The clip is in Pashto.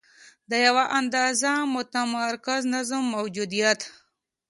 د یوه اندازه متمرکز نظم موجودیت.